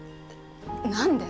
何で？